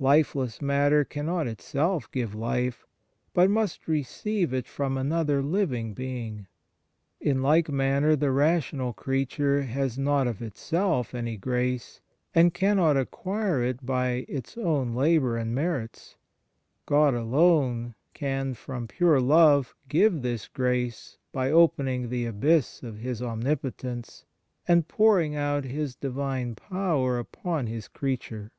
Lifeless matter cannot itself give life, but must receive it from another living being. J Aug., tr. 72 in Joannem. 2 Thorn., 2, q. 113, a. 9 in corp. 5 THE MARVELS OF DIVINE GRACE In like manner the rational creature has not of itself any grace, and cannot acquire it by its own labour and merit. God alone can, from pure love, give this grace by opening the abyss of His omnipotence, and pouring out His Divine power upon His creature.